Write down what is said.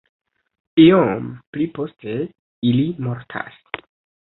Iom pli poste ili mortas.